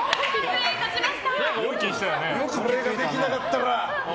これができなかったら！